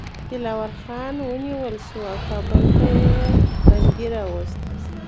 دلاور خان ونیول شو او کابل ته یې بندي راووست.